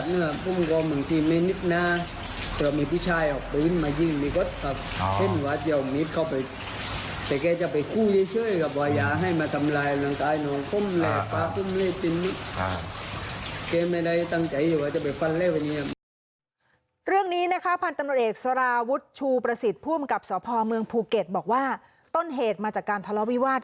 คุมแหลกปลาคุมเลยเป็นนี้